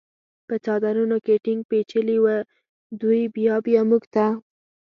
په څادرونو کې ټینګ پېچلي و، دوی بیا بیا موږ ته.